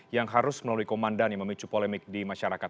yang harus melalui komandan yang memicu polemik di masyarakat